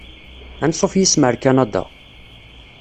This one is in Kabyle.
Ansuf yis-m ar Kanada!